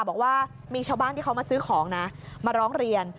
บอกว่ามีชาวบ้านที่เขามาซื้อของนะมาร้องเรียน